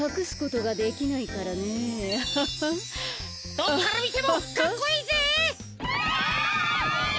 どこからみてもかっこいいぜ。